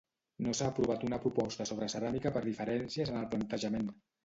No s'ha aprovat una proposta sobre ceràmica per diferències en el plantejament.